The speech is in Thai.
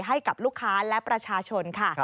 ให้กับลูกค้าและประชาชนค่ะ